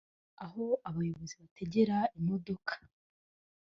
aho abayobozi bategera imodoka